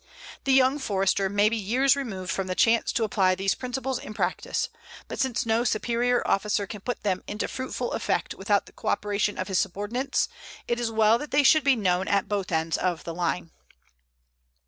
The young Forester may be years removed from the chance to apply these principles in practice, but since no superior officer can put them into fruitful effect without the coöperation of his subordinates, it is well that they should be known at both ends of the line.